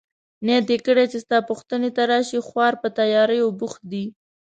نیت يې کړی چي ستا پوښتنې ته راشي، خورا په تیاریو بوخت دی.